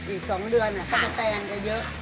อีก๒เดือนตั๊กตาแตนจะเยอะ